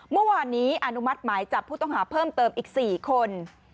เมื่อวานนี้อนุมัติหมายจับผู้ต้องหาเพิ่มเติมอีก๔คน